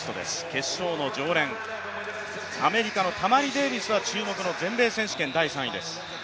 決勝の常連、アメリカのタマリ・デービスは注目の、全米選手権第３位です。